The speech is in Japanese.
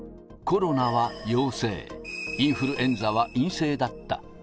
コロナは陽性、インフルエンザは陰性だった。